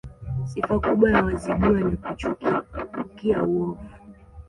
Sifa kubwa ya Wazigua ni kuchukia uovu